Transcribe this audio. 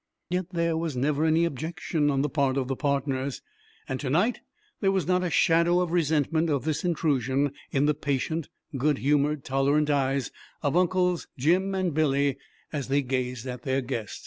Yet there was never any objection on the part of the partners, and to night there was not a shadow of resentment of this intrusion in the patient, good humored, tolerant eyes of Uncles Jim and Billy as they gazed at their guest.